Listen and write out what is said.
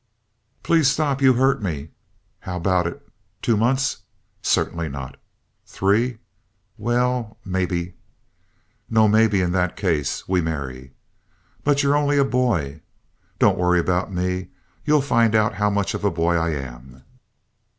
"Please stop. You hurt me." "How about it? Two months?" "Certainly not." "Three?" "Well, maybe." "No maybe in that case. We marry." "But you're only a boy." "Don't worry about me. You'll find out how much of a boy I am."